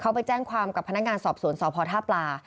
เขาไปแจ้งความกับพนักงานสอบสวนสพท่าปลา